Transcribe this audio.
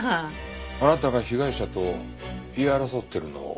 あなたが被害者と言い争ってるのを見た人がいます。